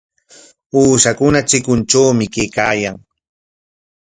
Uushakuna chikuntrawmi kaykaayan.